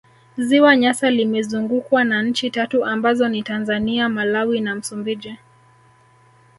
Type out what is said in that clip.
Ziwa Nyasa limezungukwa na nchi tatu ambazo ni Tanzania Malawi na MsumbIji